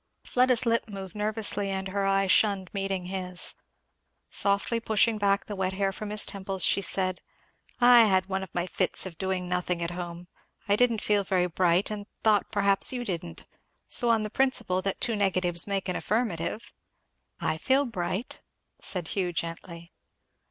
Fleda's lip moved nervously and her eye shunned meeting his. Softly pushing back the wet hair from his temples, she said, "I had one of my fits of doing nothing at home I didn't feel very bright and thought perhaps you didn't, so on the principle that two negatives make an affirmative " "I feel bright," said Hugh gently.